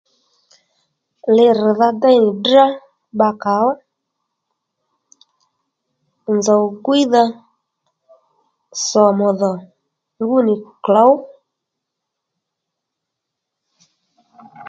Li rr̀dha déy nì drá bbakàó nzòw gwíydha sòmù dhò ngú nì klǒw